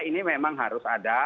ini memang harus ada